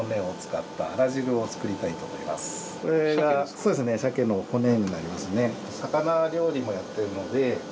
そうですね鮭の骨になりますね。